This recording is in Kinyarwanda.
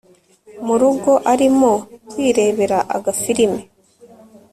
murugo arimo kwirebera agafilm